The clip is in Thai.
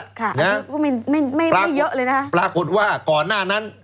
อันนี้ก็ไม่ไม่เยอะเลยนะคะปรากฏว่าก่อนหน้านั้น